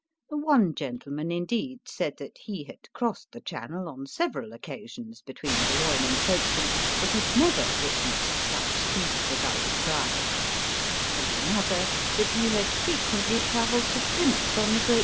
One gentleman, indeed, said that he had crossed the Channel on several occasions between Boulogne and Folkestone, but had never witnessed such seas as I described ; and another that he had frequently travelled to Plymouth on the Great POOR JACK